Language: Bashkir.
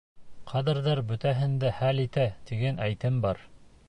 Кадрҙар бөтәһен дә хәл итә тигән әйтем бар.